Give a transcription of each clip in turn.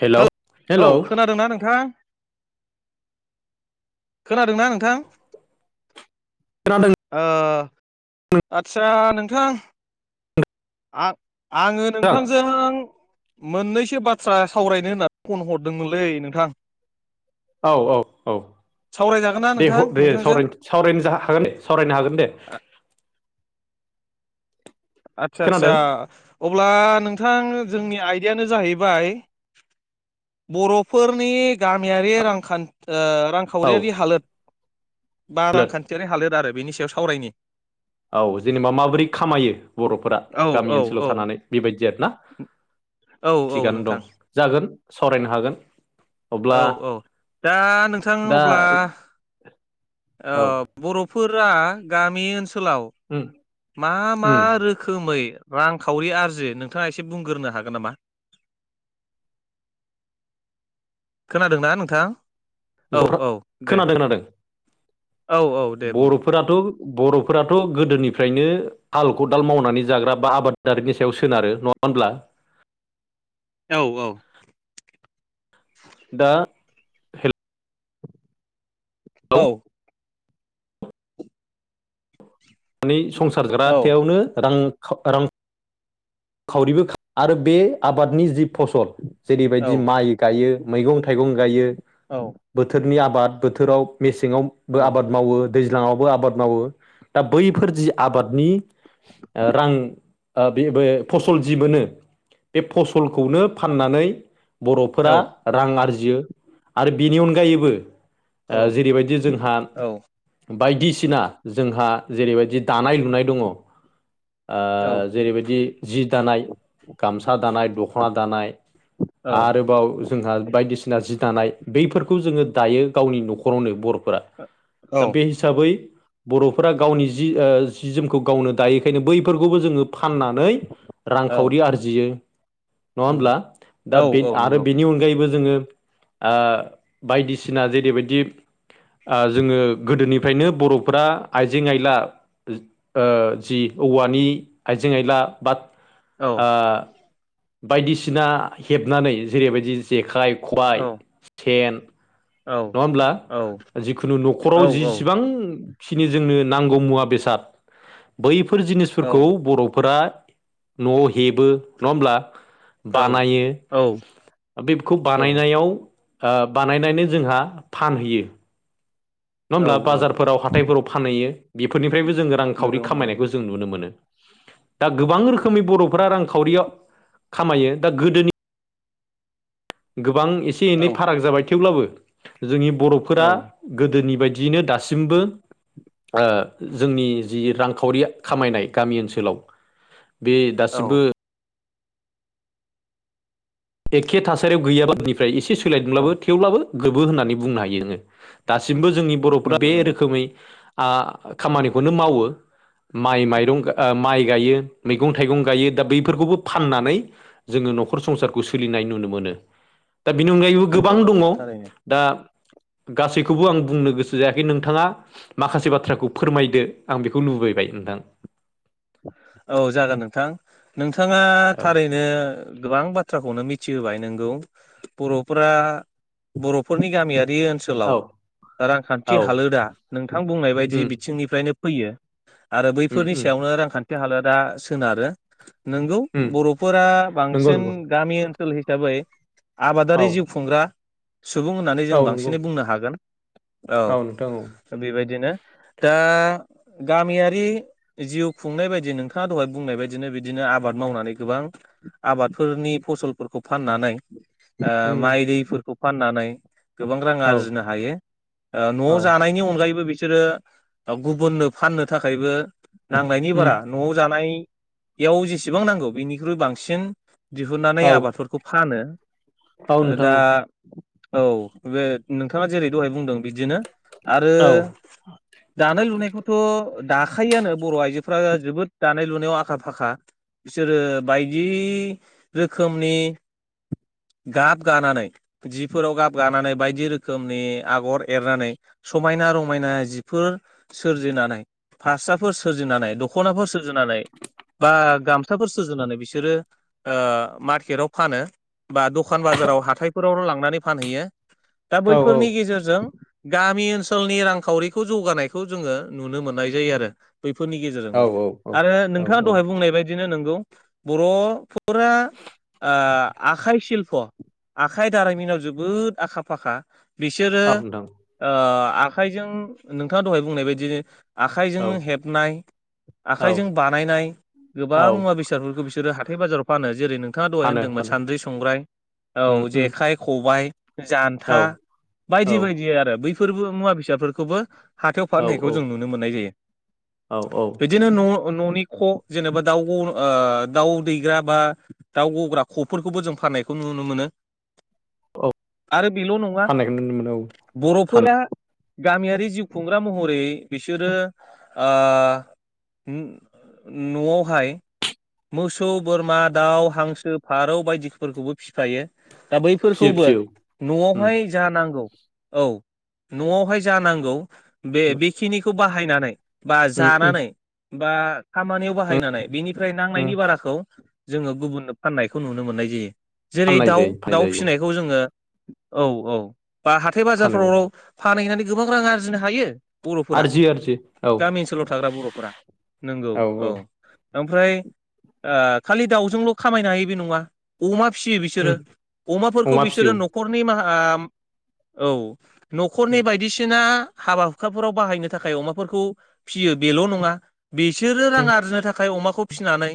Hello hello hello औ खोनादोंना नोंथां खोनादोंना नोंथां खोनादों ओ आदसा नोंथां आ आङो नोंथां नोंथांजों मोननैसो बाथ्रा सावरायनो होननानै फन हरदोंमोनलै नोंथां औ औ औ सावरायजागोन ना दे ह नोंथां दे नोंथांजों सावरायनोसै सावरायनो जा हागोन दे सावरायनो हागोन दे आदसा आदसा खोनादों अब्ला नोंथां जोंनि आयदायानो जाहैबाय बर'फोरनि गामियारि रांखान ओ रां औ खावरियारि हालोद बा रांखान्थियारि हालोद आरो बेनि सायाव सावरायनि औ जेनेबा माबोरै खामायो बरफोरा औ औ गामि ओनसोलाव औ थानानै बेबायदि आरोना औ औ थिगानो दं नोंथां जागोन सावरायनो हागोन अब्ला औ औ दा नोंथां दा अब्ला ओ औ बर'फोरा गामि ओनसोलाव उम मा मा उम रोखोमै रांखावरि आरजियो नोंथाङा एसे बुंग्रोनो हागोन नामा खोनादोंना नोंथां औ जफ्रा औ दे खोनादों खोनादों औ औ दे बुं बर'फोराथ बर'फोराथ गोदोनिफ्रायनो हाल खदाल मावनानै जाग्रा बा आबाद दारिनि सायाव सोनारो नङा होनब्ला औ औ दा हेलौ औ नै औ संसारग्रावनो रां खामा खावरिबो खा आरो बे आबादनि जि फसल औ जेरैबायदि माइ गायो मैगं थाइगं गायो। औ बोथोरनि आबाद बोथोराव मेसेंआवबो आबाद मावो। दैज्लाङावबो आबाद मावो दा बैफोर जि आबादनि रां। बे फसल जि मोनो बे फसलखौनो फाननानै। औ बर'फोरा रां आरजियो आरो बेनि अनगायैबो ओ जेरैबायदि जोंहा बायदिसिना जोंहा जेरैबायदि दानाय लुनाय दङ। ओ जेरैबायदि जि दानाय गामसा दानाय, दख'ना दानाय। औ आरोबाव ज जोंहा बायदिसिना जि दानाय बैफोरखौ जोङो दायो गावनि न'खरावनो बर'फोरा। औ दा बेस हिसाबै बर'फोरा गावनि जि ओ जि जोमखौ गावनो दायैखायनो बैफोरखौबो जोङो फानना औ रांखावरि आरजियो नङा उम होमब्ला दा औ बे औ आरो नंगौ बेनि अनगायैबो जोङो ओ बायदिसिना जेरैबायदि ओ जोङो गोदोनिफ्रायनो बर'फ्रा आइजें आइला ओज ओ जि औवानि आइजें आइला बा औ ओ बायदिसिना हेबनानै जेरैबायदि जेखाइ औ खबाय, सेन औ नङा होमब्ला औ जिखुनु औ न'खराव जिसिबां खिनि जोंनो नांगौ मुवा बेसाद बैफोर औ जिनिसफोरखौ बर'फोरा न'आव हेबो नङा होमब्ला‌‌ औ औ बानायो बेखौ बानायनायाव ओ बानायनानै जोंहा फानहैयो। नङा होमब्ला बाजारफोराव हाथायफोराव फानहैयो बेफोरनिफ्रायबो जोङो नंगौ रांखावरि नंगौ खामायनायखौ जों नुनो मोनो। दा गोबां रोखोमनि बर'फोरा रांखावरियाव खामायो दा गोदोनि गोबां एसे औ एनै फाराग जाबाय थेवब्लाबो जोंनि बर'फोरा औ गोदोनि बायदियैनो दासिमबो ओ जोंनि जि रांखावरि खामायनाय गामि ओनसोलाव बे औ दासिमबो एखे थासारियाव गैयाबनिफ्राय एसे औ सोलायदोंब्लाबो थेवब्लाबो गोबो होननानै बुंनो हायो आङो दासिमबो जोंनि बर'फोरा नंगौ बे नंगौ रोखोमै आ खामानिखौनो मावो। माइ माइरं गो ओ माइ गायो मैगं थाइगं गायो दा बैफोरखौबो फाननानै जोङो न'खर संसारखौ सोलिनाय नुनो मोनो दा बेनि अनगायैबो गोबां नंगौ दङ। नंगौ थारैनो दा गासैखौबो आं बुंनो गोसो जायाखै नोंथाङा माखासे बाथ्राखौ फोरमायदो आं बेखौ लुबैबाय नोंथां। औ जागोन नोंथां नोंथाङा औ थारै नो गोबां बाथ्राखौनो मिथिहोबाय नोंगौ। बर'फोरा बर'फोरनि गामियारि ओनस सोलाव औ रांखान्थि औ हालोदा नोंथां बुंनाय बायदि उम बिथिंनिफ्रायनो फैयो आरो उम बैफोरनि उम सायावनो रांखान्थि हालोदा सोनारो। नोंगौ उम बर'फोरा नंगौ बांसिन नंगौ गामि ओनसोल हिसाबै औ आबादारि जिउ खुंग्रा सुबुं होननानै जों औ नंगौ बांसिनै बुंनो हागोन। औ बेबायदिनो दा गामियारि जिउ खुंनाय बायदि नोंथाङा दहाय बुंनाय बायदिनो बिदिनो आबाद मावनानै गोबां आबादफोरनि फसलफोरखौ फाननानै ओ उम माइ दैफोरखौ फाननानै गोबां रां औ आरजिनो हायो ओ न'आव औ जानायनि अनगायैबो बिसोरो ओ गुबुननो फाननो थाखायबो नांनायनि उम बारा न'आव जानाय याव जेसेबां नांगौ बेनिख्रुइ बांसिन दिहुननानै औ आबादफोरखौ फानो औ ओ नोंथां दा औ बे नोंथाङा जेरै द'हाय बुंदों बिदिनो आरो औ दानाय लुनायखौथ' दाखायोआनो बर' आइजो फ्रा जोबोद दानाय लुनायाव आखा फाखा बिसोरो बायदि रोखोमनि गाब गानानै जिफोराव गाब गानानै बायदि रोखोमनि आगर एरनानै समायना रमायना जिफोर सोरजिनानै फारसाफोर सोरजिनानै दखनाफोर सुजुनानै बा गाम साफोर सुजुनानै बिसोरो ओ मार्केटाव फानो बा द'खान बाजाराव हाथायफोरावनो लांनानै फानहैयो दा औ औ बैफोरनि गेजेरजों गामि ओनसोलनि रांखावरिखौ जौगानायखौ जोङो नुनो मोननाय जायो आरो बैफोरनि गेजेरजों औ बो औ आरो औ नोंथाङा द'हाय बुंनाय बाय दिनो नोंगौ बर'फोरा आ आखाइ सिल्प आखाइ दारिमिनाव जोबोद आखा फाखा बिसोरो औ नोंथां ओ आखाइजों नोंथाङा द'हाय बुंनाय बायदि [unintelligible] आखाइजों औ हेबनाय औ आखाइजों बानायनाय औ गोबां मुवा बेसादफोरखौ बिसोरो हाथाय बाजाराव फानो जेरै नों नोंथाङा द'हाय फानो होनदोंमोन फानो सान्द्रि संग्राय उम औ उम जेखाइ खबाइ जान्था औ औ बायदि बायदि आरो बैफोरबो मुवा बेसादफोरखौबो हाथायाव औ फाननायखौ जों औ नुनो मोननाय जायो औ औ बिदिनो न' न'नि ख' जेनेबा दाउ ओ दाउ दैग्रा बा दाउ गग्रा ख'फोरखौबो जों फाननायखौ नुनो मोनो आरो बेल' नङा फाननायखौ नुनो मोनो औ फानो बर'फोरा गामियारि जिउ खुंग्रा महरै बिसोरो ओ [unintelligible] न'आवहाय मोसौ बोरमा दाउ हांसो फारौ बायदिफोरखौबो फिफायो दा फियो बैफोरखौबो फियो उम न'आवहाय जा नांगौ औ न'आवहाय जा नांगौ बे बेखिनि खौ बाहायनानै बा उम उम जानानै बा खामानियाव बाहायनानै बेनि नांनायनि उम बाराखौ जोङो गुबुननो फाननायखौ नुनो मोननाय जायो जेरै फाननाय दाउ जायो फाननाय दाउ जायो औ फिनाय खौ जोङो औ औ बा हाथाय फानो औ बाजारफ्राव फानहैनानै गोबां रां आरजिनो हायो बर'फोरा आरजियो आरजियो औ गामि ओनसोलाव थाग्रा बर'फोरा नोंगौ औ ओमफ्राय ओ खालि दाउजोंल' खामायनो हायो बे नङा अमा फियो बिसोरो उम अमाफोरखौ अमा फियो बिसोरो न'खरनि मा ओ औ न'खरनि औ बायदिसिना हाबा हुखाफोराव बाहायनो थाखाय अमाफोरखौ फियो बेल' नङा बिसोरो रां आरजिनो थाखाय अमाखौ फिनानै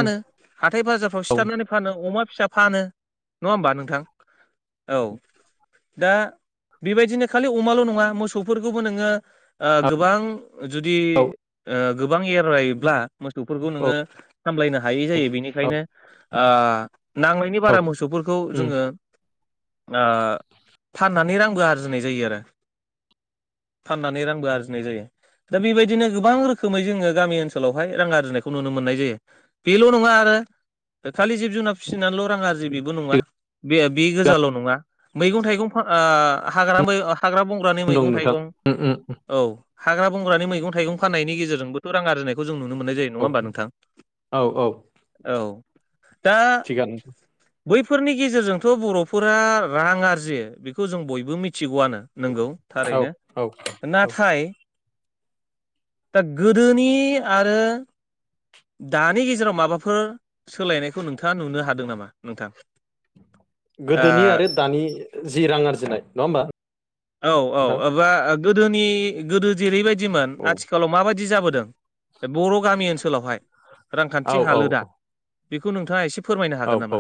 उम हाथाय बाजारफ्राव उम सिथारनानै फानो अमा फिसा फानो नङा होमबा नोंथां औ दा बेबायदिनो खालि अमाल' नङा मोसौफोरखौबो नोङो ओ औ गोबां जुदि औ ओ गोबां एरायोब्ला मोसौफोरखौ औ नोङो सामलायनो हायै जायो औ बेनिखायनो ओ नांनायनायनि औ बारा मोसौफोरखौ उम जोङो ओ फाननानै रांबो आरजिनाय जायो आरो फाननानै रांबो आरजिनाय जायो दा बेबायदिनो गोबां रोखोमै जोङो गामि ओनसोलाव हाय रां आरजिनायखौ नुनो मोननाय जायो बेल' नङा आरो [unintelligible] खालि जिब जुनार फिसिनानैल' रां आरजि बिबो नङा थिगानो बे बे गोजाल' नङा मैगं थाइगं फा ओ हाग्रा मै ओ हाग्रा बं दं मैगं नोंथां थाइगं उम उम औ हाग्रा बंग्रानि मैगं थाइगं फाननायनि गेजेरजोंबोथ' रां आरिनाय खौ जों नुनो मोननाय जायो नङा औ होमबा नोंथां? औ औ औ। दा थिगानो बैफोरनि गेजेरजोंथ' बर'फोरा रां आरजियो बेखौ जों बयबो मिथिगौआनो। नंगौ औ थारैनो औ औ नाथाय दा गोदोनि आरो दानि गेजेराव माबाफोर सोलायनायखौ नोंथाङा नुनो हादों नामा नोंथां गोदोनि ओ आरो दानि जि रां आरजिनाय नङा होमबा औ औ नोंथां ओबा गोदोनि गोदो जेरैबायदिमोन आथिख औ आथिखालाव माबायदि जाबोदों बे बर' गामि ओनसोलावहाय औ रांखान्थि औ हालोदा। बेखौ नोंथाङा एसे फोरमायनो औ हागोन नामा?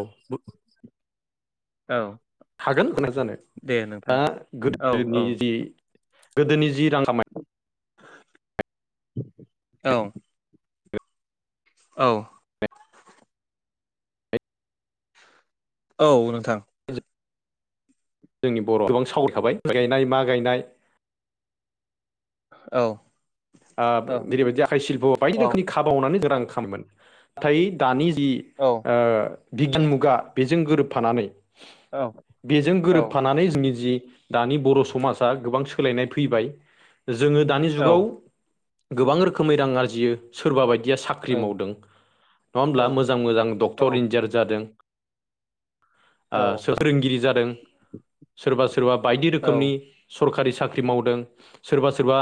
औ। हागोन मानो हाया जानो दे दा नोंथां औ औ गोदोनि जि गोदोनि जि रां खामाय औ। औ। औ नोंथां। जोंनि बर'आव गोबां सावल थाबाय माइ गायनाय मा गायनाय। औ। ओ औ जेरैबायदि आखाइ सिल्प'आव बायदि औ रोखोमनि खाबावनानै जों रां खामोमोन नाथाय दानि जि औ। ओ बिगियान मुगा बेजों गोरोबफानानै औ बेजों औ गोरोबफानानै जोंनि जि दानि बर' समाजा गोबां सोलायनाय फैबाय जोङो दानि औ जुगाव गोबां रोखोमै रां आरजियो सोरबा बायदिया साख् ख्रि मावदों नङा होमब्ला मोजां मोजां डक्टर इन्जिनियार जादों। ओ फोरोंगिरि जादों सोरबा सोरबा बायदि औ रोखोमनि सरकारि साख्रि मावदों सोरबा सोरबा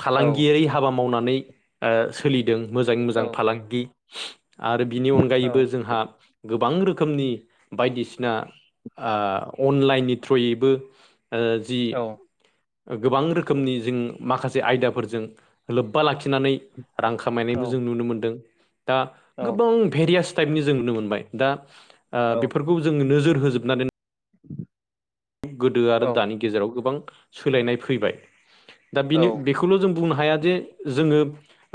फालांगि औ हाबा मावनानै सोलिदों मोजाङै मोजां फालांगि आरो बिनि औ अनगायैबो जोंहा गोबां रोखोमनि बायदिसिना ओ अनलाइननि थ्रुयैबो ओ जि गोबां रोखोमनि जों माखासे आयदाफोरजों लोब्बा लाखिनानै रां खामायनायबो जों नुनो मोन्दों दा गोबां भेरियास टाइपनि जों नुनो मोनबाय दा बेफोरखौ जों नोजोर होजोबनानै गोदो आरो दानि गेजेराव गोबां सोलायनाय फैबाय। दा बिनि बेखौल' जों बुंनो हाया जे जोङो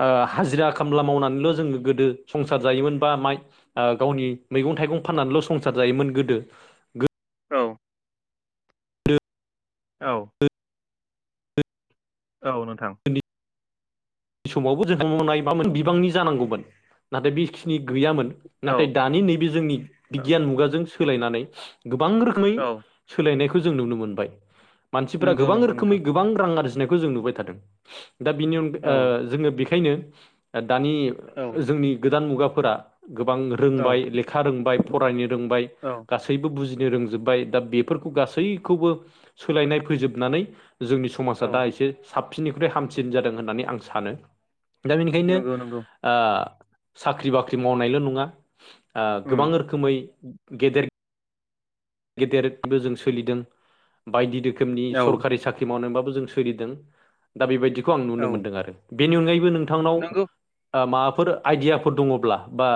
ओ हाजिरा खामला मावनानैल' जोङो गोदो संसार जायोमोन बा माइ ओ गावनि मैगं थाइगं फाननानैल' संसार जायोमोन गोदो। औ। औ। औ नोंथां। बे समावबो जों [unintelligible] बिबांनि जानांगौमोन नाथाय बेखिनि गैयामोन। औ नाथाय दानि नैबे जोंनि बिगियान मुगाजों सोलायनानै गोबां रोखोमै औ सोलायनायखौ जों नुनो मोनबाय मानसिफोरा नंगौ गोबां नंगौ रोखोमै नोंथां गोबां रां आरज नायखौ जों नुबाय थादों दा बिनि औ अन-ओ जोङो बेखायनो दानि औ। जोंनि गोदान मुगाफोरा गोबां रोंबाय औ लेखा रोंबाय फरायनो रोंबाय औ गासै सैबो बुजिनो रोंजोबबाय दा बेफोरखौ गासैखौबो सोलायनाय फैजोबनानै जोंनि समाजा औ दा एसे साबसिननिख्रुइ हामसिन जादों होननानै आं सानो दा बेनिखायनो नंगौ नंगौ ओ साख्रि बाख्रि मावनायल' नङा ओ गोबां उम रोखोमै गेदेर गेदेरबो जों सोलिदों बायदि रोखोमनि औ सरखारि साख्रि मावनोबाबो जों सोलिदों दा बेबायदिखौ आं औ नुनो मोनदों आरो बेनि अनगायैबो नोंथांनाव नंगौ ओ माबाफोर आइडियाफोर दङब्ला बा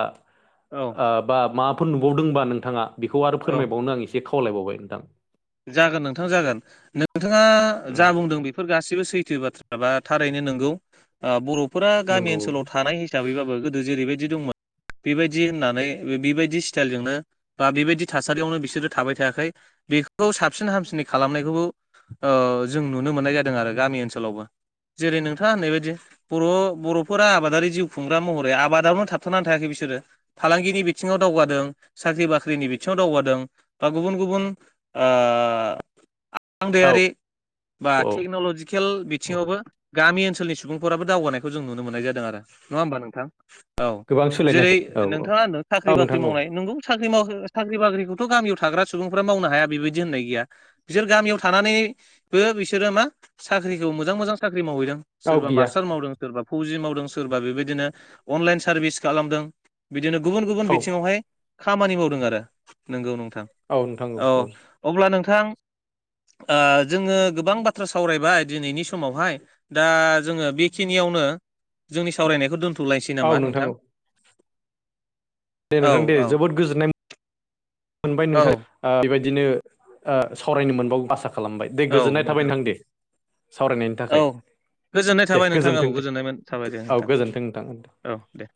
औ। बा माफोर नुबावदोंबा नोंथाङा बेखौ आरो औ फोरमायबावनो आं एसे खावलायबावबाय नोंथां। जागोन नोंथां जागोन नोंथाङा जा उम बुंदों बे फोर गासिबो सैथो बाथ्रा बा थारैनो नोंगौ बर'फोरा गामि नंगौ ओनसोलाव थानाय हिसाबैबाबो गोदो जेरैबायदि दंमोन बेबायदि होननानै बेबायदि स्टाइलजोंनो बा बेबायदि थासारियावनो बिसोरो थाबाय थायाखै। खौ साबसिन हामसिनै खालामनायखौबो ओ जों नुनो मोननाय जादों आरो गामि ओनसोलावबो। जेरै नोंथाङा होननायबायदि बर' बर'फोरा आबादारि जिउ खुंग्रा महरै आबादावनो थाबथानानै थायाखै बिसोरो। फालांगिनि बिथिङाव दावगादों साख्रि बाख्रिनि बिथिङाव दावगादों बा गुबुन गुबुन ओ औ आंदायारि बा औ टेक्न'लजि खेल औ। बिथिङावबो गामि ओनसोलनि सुबुंफोराबो दावगानायखौ जों नुनो मोननाय जादों आरो। नङा होमबा नोंथां? औ गोबां सोलायनाय जेरै फै- औ औ नोंथाङा औ साख्रि बाख्रि नोंथां औ मावनाय नंगौ। साख्रि माव साख्रि बाख्रिखौथ' गामियाव थाग्रा सुबुंफ्रा मावनो हाया बेबायदि होननाय गैया। बिसोर गामियाव थानानैबो बिसोरो मा साख्रिखौ मोजां मोजां साख्रि मावहैदों। औ सोरबा गैया मास्टार मावदों सोरबा फौजि मावदों सोरबा बेबायदिनो अनलाइन सारभिस खालामदों। बिदिनो गुबुन गुबुन औ बिथिङावहाय खामानि मावदों आरो नोंगौ नोंथां औ। अब्ला नोंथां ओ जोङो गोबां बाथ्रा सावरायबाय दिनैनि समावहाय दा जोङो बेखिनियावनो जोंनि सावरायनायखौ दोन्थ'लायसै औ नामा नोंथां? औ दे औ नोंथां दे औ जोबोद गोजोननाय मोनबाय औ नोंथां। ओ बेबायदिनो ओ सावरायनो मोनबावो आसा खालामबाय दे गोजोननाय थाबाय नोंथां दे। सावरायनायनि औ थाखाय गोजोननाय दे थाबाय नोंथां ओव गोजोन्थों दे गोजोननाय थाबाय दे औ नोंथां गोजोन्थों नोंथां औ दे।